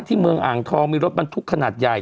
เมืองอ่างทองมีรถบรรทุกขนาดใหญ่